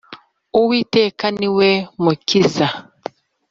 Uwiteka niwe mukiza.